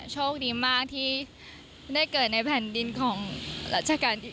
โชคดีมากที่ได้เกิดในแผ่นดินของรัชกาลที่๙